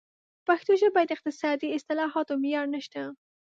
په پښتو ژبه د اقتصادي اصطلاحاتو معیار نشته.